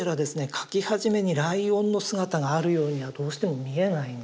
描き始めにライオンの姿があるようにはどうしても見えないんですね。